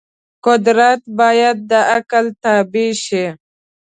قدرت باید د عقل تابع شي.